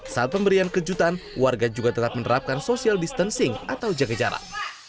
saat pemberian kejutan warga juga tetap menerapkan social distancing atau jaga jarak